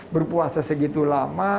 berpuasa segitu lama